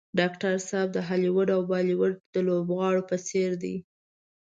ډاکټر صاحب د هالیوډ او بالیوډ د لوبغاړو په څېر دی.